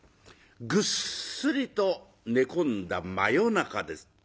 ぐっすりと寝込んだ真夜中です。